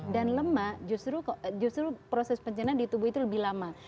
lemak justru proses pencernaan di tubuh itu lebih lama